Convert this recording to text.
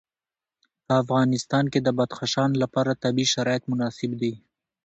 په افغانستان کې د بدخشان لپاره طبیعي شرایط مناسب دي.